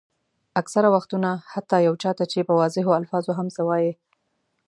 اکثره وختونه حتیٰ یو چا ته چې په واضحو الفاظو هم څه وایئ.